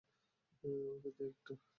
আমাকে দে একটা!